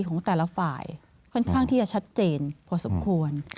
ของแต่ละฝ่ายค่อนข้างที่จะชัดเจนพอสมควร